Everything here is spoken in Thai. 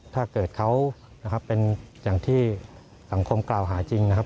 ถ้าเกิดเขานะครับเป็นอย่างที่สังคมกล่าวหาจริงนะครับ